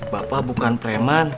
bapak bukan preman